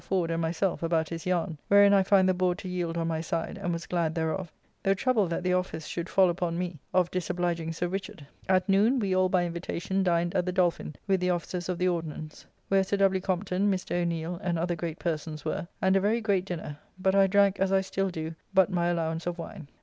Ford and myself about his yarn, wherein I find the board to yield on my side, and was glad thereof, though troubled that the office should fall upon me of disobliging Sir Richard. At noon we all by invitation dined at the Dolphin with the Officers of the Ordnance; where Sir W. Compton, Mr. O'Neale,'and other great persons, were, and a very great dinner, but I drank as I still do but my allowance of wine.